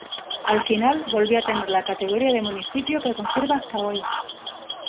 Al final volvió a tener la categoría de Municipio que conserva hasta hoy.